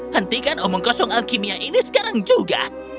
hentikan omong kosong alkimia ini sekarang juga